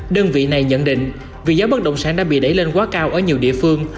đơn vị này nhận định vì giá bất động sản đã bị đẩy lên quá cao ở nhiều địa phương